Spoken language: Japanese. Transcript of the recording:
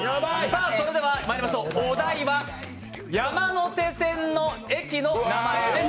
それではまいりましょう、お題は山手線の駅の名前です。